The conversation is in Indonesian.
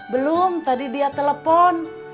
belum tadi dia telepon